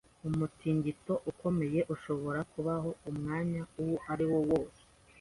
Nk’uko intiti zimwe zibivuga, umutingito ukomeye ushobora kubaho umwanya uwo ari wo wose.